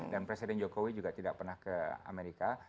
dan presiden jokowi juga tidak pernah ke amerika